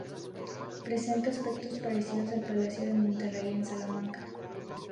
Presenta aspectos parecidos al Palacio de Monterrey de Salamanca.